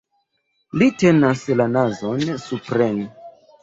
Li tenas la nazon supren.